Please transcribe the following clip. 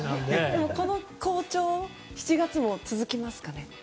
でも、この好調は７月も続きますかね？